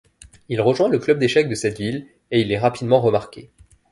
Il rejoint le club d’échecs de cette ville, et il est rapidement remarqué.